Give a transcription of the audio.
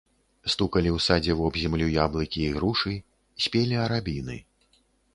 Стукалі ў садзе вобземлю яблыкі і грушы, спелі арабіны.